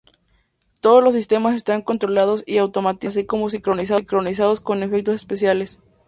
Todos los sistemas están controlados y automatizados, así como sincronizados con efectos especiales.